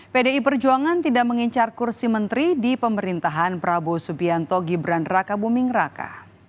pdi perjuangan tidak mengincar kursi menteri di pemerintahan prabowo subianto gibran raka buming raka